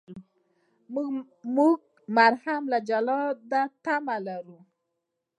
موږ مرهم له جلاده تمه لرو.